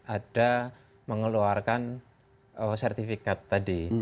ada mengeluarkan sertifikat tadi